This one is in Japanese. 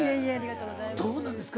どうなんですか？